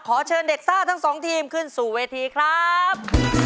เชิญเด็กซ่าทั้งสองทีมขึ้นสู่เวทีครับ